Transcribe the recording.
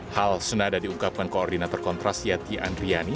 hal senada diungkapkan koordinator kontras yati andriani